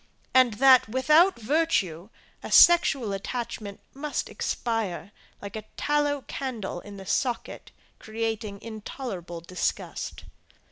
And, that, without virtue, a sexual attachment must expire, like a tallow candle in the socket, creating intolerable disgust.